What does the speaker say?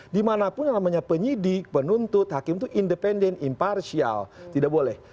dimanapun yang namanya penyidik penuntut hakim itu independen imparsial tidak boleh